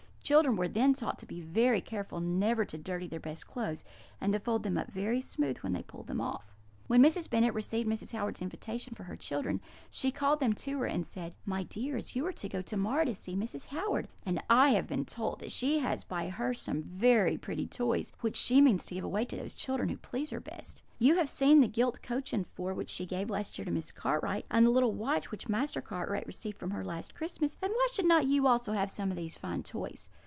Children were then taught to be very careful never to dirty their best clothes, and to fold them up very smooth when they pulled them off. "When Mrs. Bennet received Mrs. Howard's invitation for her children, she called them to her, and said: "'My dears, you are to go to morrow to see Mrs. Howard; and I have been told that she has by her some very pretty toys, which she means to give away to those children who please her best. You have seen the gilt coach and four which she gave last year to Miss Cartwright, and the little watch which Master Cartwright received from her last Christmas; and why should not you also have some of these fine toys?